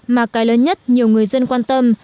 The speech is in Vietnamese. mà cái lớn nhất nhiều người dân quan tâm